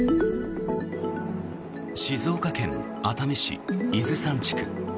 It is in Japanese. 静岡県熱海市伊豆山地区。